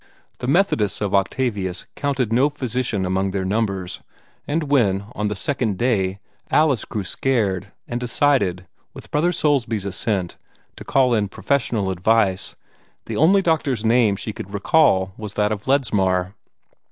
The Methodists of Octavius counted no physician among their numbers, and when, on the second day, Alice grew scared, and decided, with Brother Soulsby's assent, to call in professional advice, the only doctor's name she could recall was that of Ledsmar.